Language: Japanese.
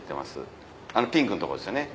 あのピンクのとこですよね。